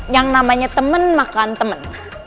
yang namanya teman makan temen